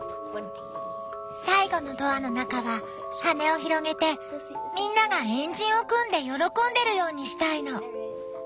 最後のドアの中は羽を広げてみんなが円陣を組んで喜んでるようにしたいの。